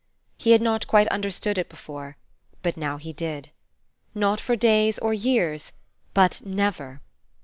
He had not quite understood it before; but now he did. Not for days or years, but never!